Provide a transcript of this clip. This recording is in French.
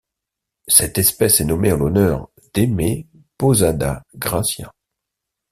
Cette espèce est nommée en l'honneur d'Aimé Posada García.